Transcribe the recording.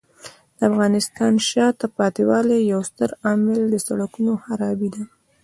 د افغانستان د شاته پاتې والي یو ستر عامل د سړکونو خرابۍ دی.